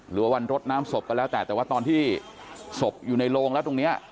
หรือวันรดน้ำศพก็แล้วแต่แต่ว่าตอนที่ศพอยู่ในโรงแล้วตรงนี้